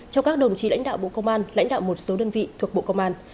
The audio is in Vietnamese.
cho các đồng chí lãnh đạo bộ công an lãnh đạo một số đơn vị thuộc bộ công an